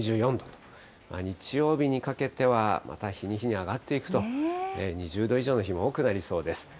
日曜日にかけてはまた日に日に上がっていくと、２０度以上の日も多くなりそうです。